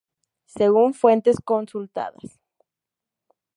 Según fuentes consultadas.